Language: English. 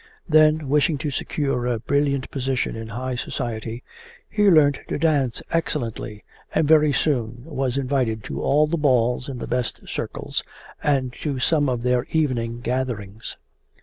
Then, wishing to secure a brilliant position in high society, he learnt to dance excellently and very soon was invited to all the balls in the best circles, and to some of their evening gatherings.